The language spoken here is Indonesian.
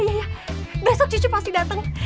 ya iya iya besok cucu pasti dateng